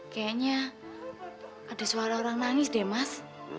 kayaknya ada suara orang nangis deh mas